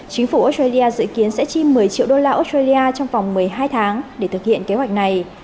chính phủ australia dự kiến sẽ chi một mươi triệu đô la australia trong vòng một mươi hai tháng để thực hiện kế hoạch này